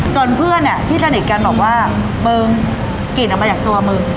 จนเพื่อนเนี่ยที่สนิทกันบอกว่ามึงกลิ่นออกมาตัวแบบมึง